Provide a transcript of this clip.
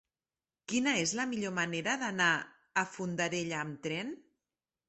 Quina és la millor manera d'anar a Fondarella amb tren?